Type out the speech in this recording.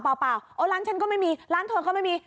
เปล่าโอ้ร้านฉันก็ไม่มีร้านเธอก็ไม่มี